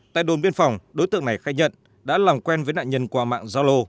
tại đồn biên phòng đối tượng này khai nhận đã làm quen với nạn nhân qua mạng giao lô